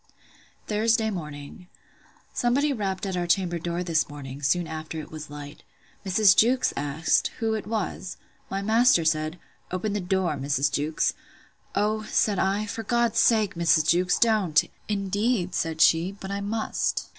Thursday morning. Somebody rapped at our chamber door this morning, soon after it was light: Mrs. Jewkes asked, who it was? My master said, Open the door, Mrs. Jewkes! O, said I, for God's sake, Mrs. Jewkes, don't! Indeed, said she, but I must.